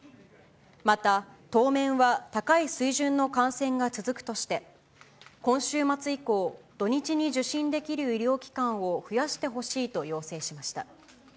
また、当面は高い水準の感染が続くとして、今週末以降、土日に受診できる医療機関を増やしてほしいと要請しました。